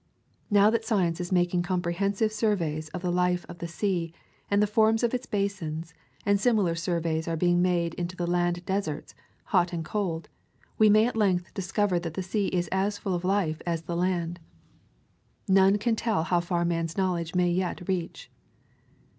Now that science is making comprehensive surveys of the life of the sea, and the forms of its basins, and similar surveys are being made into the land deserts, hot and cold, we may at length discover that the sea is as full of life as the land. None can tell how far man's knowl edge may yet reach.